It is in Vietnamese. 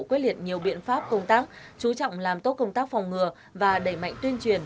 quyết liệt nhiều biện pháp công tác chú trọng làm tốt công tác phòng ngừa và đẩy mạnh tuyên truyền